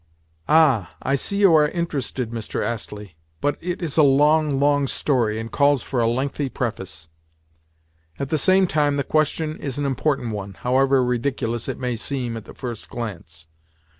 "Ah, I see you are interested, Mr. Astley. But it is a long, long story, and calls for a lengthy preface. At the same time, the question is an important one, however ridiculous it may seem at the first glance.